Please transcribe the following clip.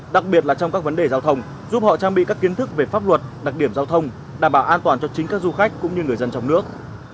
đặc biệt là trong các vấn đề giao thông giúp họ trang bị các kiến thức về pháp luật đặc điểm giao thông đảm bảo an toàn cho chính các du khách cũng như người dân trong nước